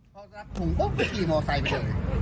ผมก็ขี่มอเตอร์ไซด์ไปเถอะ